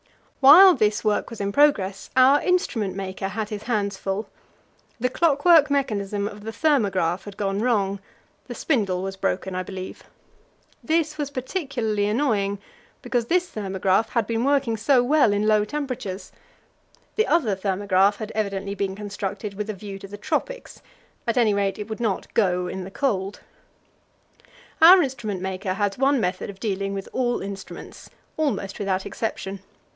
While this work was in progress, our instrument maker had his hands full; the clockwork mechanism of the thermograph had gone wrong: the spindle was broken, I believe. This was particularly annoying, because this thermograph had been working so well in low temperatures. The other thermograph had evidently been constructed with a view to the tropics; at any rate, it would not go in the cold. Our instrument maker has one method of dealing with all instruments almost without exception.